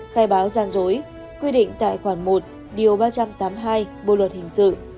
khai báo gian dối quy định tại khoảng một ba trăm tám mươi hai bộ luật hình sự